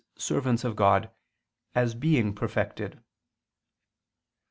servants of God) as being perfected.